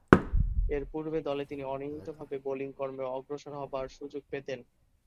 এর পূর্বে দলে তিনি অনিয়মিতভাবে বোলিং কর্মে অগ্রসর হবার সুযোগ পেতেন।